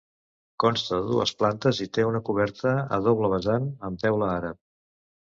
Consta de dues plantes i té una coberta a doble vessant amb teula àrab.